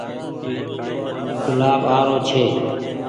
گلآب آ رو ڇي ۔